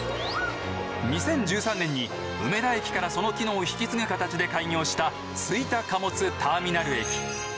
２０１３年に梅田駅からその機能を引き継ぐ形で開業した吹田貨物ターミナル駅。